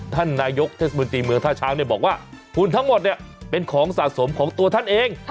ท่านนายกเทศมนตรีเมืองท่าช้างบอกว่าหุ่นทั้งหมดเนี่ยเป็นของสะสมของตัวท่านเอง